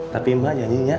tapi mah jangan nyanyinya